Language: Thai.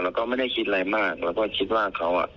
แล้วก็ไม่ได้คิดอะไรมากเราก็คิดว่าเขาอ่ะ